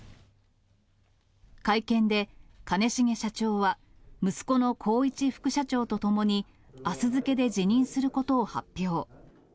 会見で兼重社長は、息子の宏一副社長と共に、あす付けで辞任することを発表。